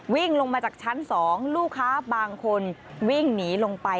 วิ่งลงมาจากชั้น๒ลูกค้าบางคนวิ่งหนีลงไป